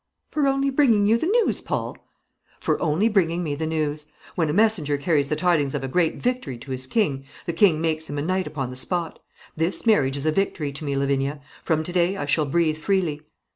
"For only bringing you the news, Paul?" "For only bringing me the news. When a messenger carries the tidings of a great victory to his king, the king makes him a knight upon the spot. This marriage is a victory to me, Lavinia. From to day I shall breathe freely."